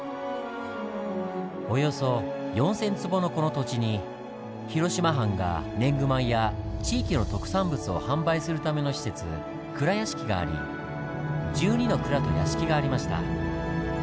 およそ４０００坪のこの土地に広島藩が年貢米や地域の特産物を販売するための施設蔵屋敷があり１２の蔵と屋敷がありました。